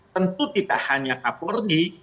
tentu tidak hanya kak polri